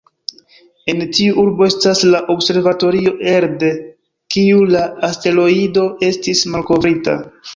En tiu urbo estas la observatorio elde kiu la asteroido estis malkovrita.